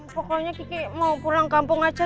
pokoknya kiki mau pulang kampung aja